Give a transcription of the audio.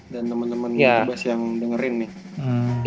dan temen temen youtube bass yang dengerin nih